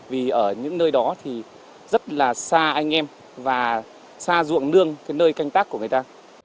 vì ở những nơi đó thì rất là xa anh em và xa ruộng nương cái nơi canh tác của người ta